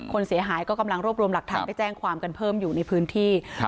คนเสียหายก็กำลังรวบรวมหลักฐานไปแจ้งความกันเพิ่มอยู่ในพื้นที่ครับ